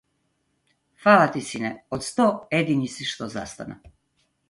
Фала ти, сине, од сто едини си што застана.